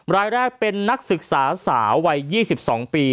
รายแรกเป็นนักศึกษาสาววัย๒๒ปี